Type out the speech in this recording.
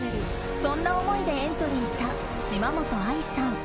そんな思いでエントリーした島本亜依さん。